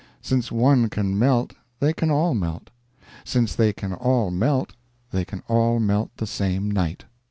Since one can melt, they can all melt; since they can all melt, they can all melt the same night.